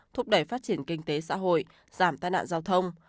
thúc đẩy phát triển kinh tế xã hội giảm tai nạn giao thông